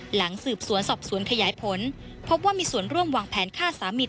หลังสืบสวนสอบสวนขยายผลพบว่ามีส่วนร่วมวางแผนฆ่าสามี